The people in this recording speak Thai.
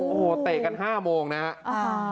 โอ้โหเตะกัน๕โมงนะครับ